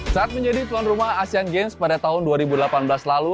saat menjadi tuan rumah asean games pada tahun dua ribu delapan belas lalu